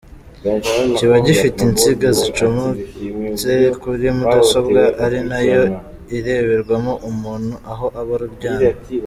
Kiba gifite insinga zicometse kuri mudasobwa ari na yo ireberwamo umuntu aho aba aryamye.